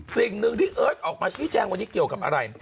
สิ่งหนึ่งที่เอิร์ทออกมาชี้แจงวันนี้เกี่ยวกับอะไร